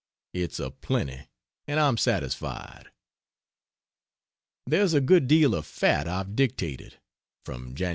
It's a plenty, and I am satisfied. There's a good deal of "fat" I've dictated, (from Jan.